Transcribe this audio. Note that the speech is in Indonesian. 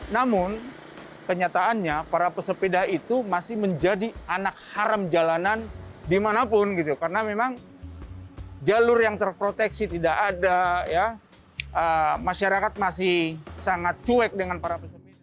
namun kenyataannya para pesepeda itu masih menjadi anak haram jalanan dimanapun gitu karena memang jalur yang terproteksi tidak ada masyarakat masih sangat cuek dengan para pesepeda